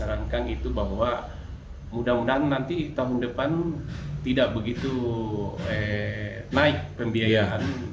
sarankan itu bahwa mudah mudahan nanti tahun depan tidak begitu naik pembiayaan